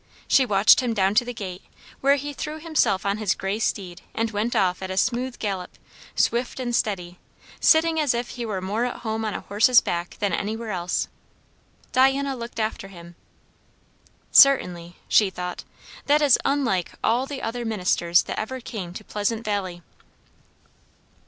She watched him down to the gate, where he threw himself on his grey steed and went off at a smooth gallop, swift and steady, sitting as if he were more at home on a horse's back than anywhere else. Diana looked after him. "Certainly," she thought, "that is unlike all the other ministers that ever came to Pleasant Valley."